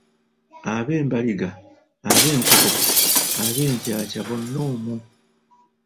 Ab'embaliga, ab'enkobogo, ab'encaaca, bonna omwo.